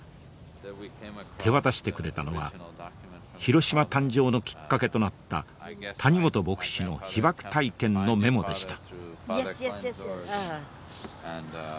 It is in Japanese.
手渡してくれたのは「ヒロシマ」誕生のきっかけとなった谷本牧師の被爆体験のメモでした。